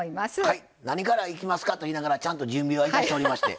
何からいきますかと言いながらちゃんと準備はいたしておりまして。